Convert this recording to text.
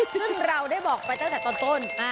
ซึ่งเราได้บอกไปตั้งแต่ตอนต้น